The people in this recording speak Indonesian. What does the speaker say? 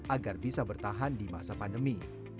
agar bisa bertahan di masa pandemi